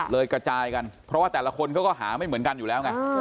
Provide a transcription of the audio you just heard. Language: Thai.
กระจายกันเพราะว่าแต่ละคนเขาก็หาไม่เหมือนกันอยู่แล้วไง